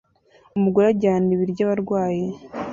Umugore ajyana ibiryo abarwayi